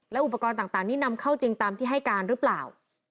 อุปกรณ์ต่างนี้นำเข้าจริงตามที่ให้การหรือเปล่า